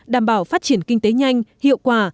đảm bảo phát triển kinh tế nhanh hiệu quả